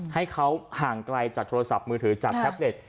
ให้เขาห่างไกลจากโทรศัพท์มือถือจากแท็บเล็ต